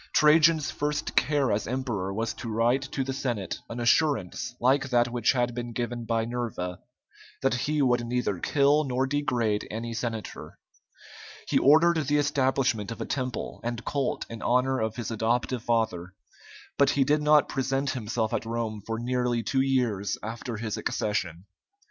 Trajan's first care as emperor was to write to the Senate an assurance like that which had been given by Nerva, that he would neither kill nor degrade any senator. He ordered the establishment of a temple and cult in honor of his adoptive father, but he did not present himself at Rome for nearly two years after his accession.